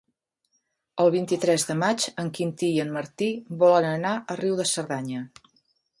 El vint-i-tres de maig en Quintí i en Martí volen anar a Riu de Cerdanya.